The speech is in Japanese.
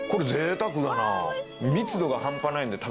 密度が半端ないんで。